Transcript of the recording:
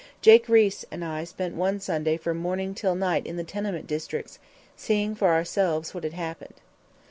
Jake Riis and I spent one Sunday from morning till night in the tenement districts, seeing for ourselves what had happened.